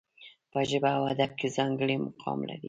په ژبه او ادب کې ځانګړی مقام لري.